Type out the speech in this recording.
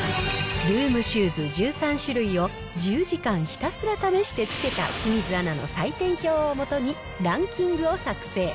ルームシューズ１３種類を１０時間ひたすら試してつけた清水アナの採点表を基に、ランキングを作成。